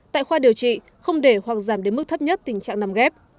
tại khoa điều trị không để hoặc giảm đến mức thấp nhất tình trạng nằm ghép